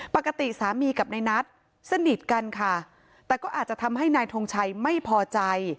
ปกติสามีกับนายนัทสนิทกันค่ะแต่ก็อาจจะทำให้นายทงชัยไม่พอใจ